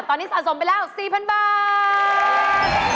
ตอนนี้สะสมไปแล้ว๔๐๐๐บาท